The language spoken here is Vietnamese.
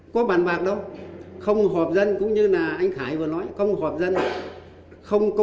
có bàn bạc đâu không hợp dân cũng như là anh khải vừa nói không hợp dân